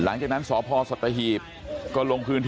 แล้วป้าไปติดหัวมันเมื่อกี้แล้วป้าไปติดหัวมันเมื่อกี้